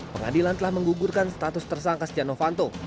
pengadilan telah menggugurkan status tersangka stiano fanto